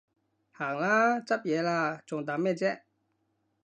行啦，執嘢喇，仲等咩啫？